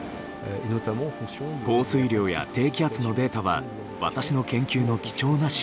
降水量や低気圧のデータは私の研究の貴重な資料となりました。